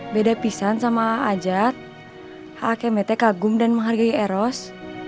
beda pisan sama ajat hakmt kagum dan menghargai eros